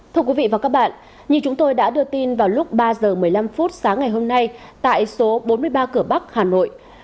thưa quý vị và các bạn như chúng tôi đã đưa tin vào lúc ba h một mươi năm phút sáng ngày hôm nay tại số bốn mươi ba cửa bắc hà nội